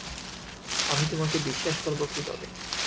আমি তোমাকে বিশ্বাস করব কীভাবে?